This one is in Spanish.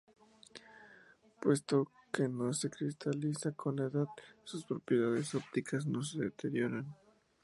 Puesto que no se cristaliza con la edad, sus propiedades ópticas no se deterioran.